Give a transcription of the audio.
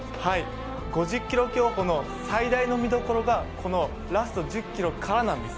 ５０ｋｍ競歩の最大の見どころがラスト１０ｋｍからなんです。